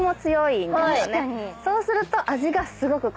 そうすると。